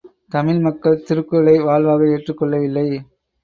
தமிழ் மக்கள் திருக்குறளை வாழ்வாக ஏற்றுக் கொள்ளவில்லை.